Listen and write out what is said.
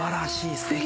すてき。